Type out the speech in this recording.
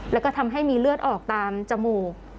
แล้วก็ทำให้มีเลือดออกตามจมูก